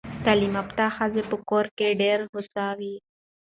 تعلیم یافته ښځه په کور کې ډېره هوسا وي.